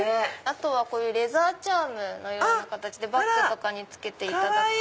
あとはこういうレザーチャームバッグとかにつけていただく。